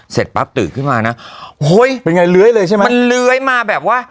เสร็จปั๊บตื่นขึ้นมานะโอ้ยเป็นไงเลื้อยเลยใช่ไหมมันเลื้อยมาแบบว่า